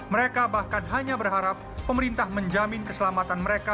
mereka bahkan hanya berharap pemerintah menjamin keselamatan mereka